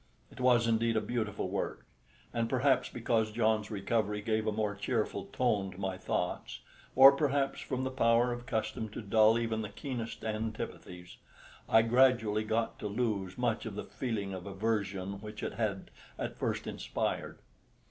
It was, indeed, a beautiful work; and perhaps because John's recovery gave a more cheerful tone to my thoughts, or perhaps from the power of custom to dull even the keenest antipathies, I gradually got to lose much of the feeling of aversion which it had at first inspired.